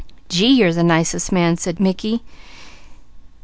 "Gee, you're the nicest man!" said Mickey.